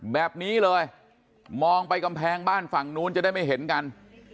แบบนี้เลยมองไปกำแพงบ้านฝั่งนู้นจะได้ไม่เห็นกัน